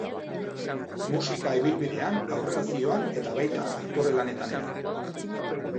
Musika ibilbidean aurrera zihoan eta baita aktore lanetan ere.